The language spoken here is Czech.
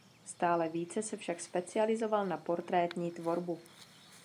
Stále více se však specializoval na portrétní tvorbu.